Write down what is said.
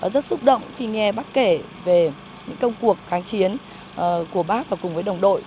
rất xúc động khi nghe bác kể về những công cuộc kháng chiến của bác và cùng với đồng đội